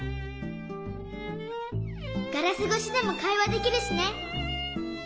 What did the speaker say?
ガラスごしでもかいわできるしね。